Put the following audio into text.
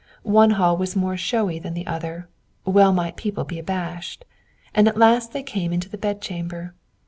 One hall was more showy than the other well might people be abashed; and at last they came into the bed chamber.